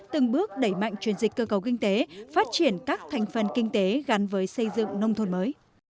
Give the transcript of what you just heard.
từng bước đẩy mạnh truyền dịch cơ cấu kinh tế phát triển các thành phần kinh tế gắn với xây dựng nông thôn mới